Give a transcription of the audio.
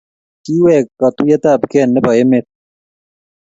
Kiwek katuyet ab kee nebo emet